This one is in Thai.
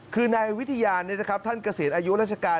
คือนายวิทยานี่นะครับท่านเกษียณอายุราชการ